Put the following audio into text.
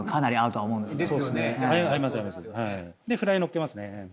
はいでフライのっけますね